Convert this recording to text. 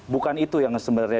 bukan itu yang sebenarnya